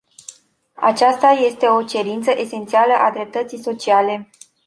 Aceasta este o cerință esențială a dreptății sociale.